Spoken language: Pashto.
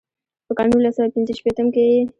پۀ کال نولس سوه پينځه شپيتم کښې ئې